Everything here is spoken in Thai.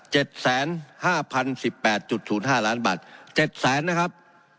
แสนห้าพันสิบแปดจุดศูนย์ห้าล้านบาทเจ็ดแสนนะครับ